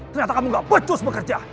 ternyata kamu gak pecus bekerja